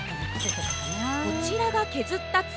こちらが削った爪。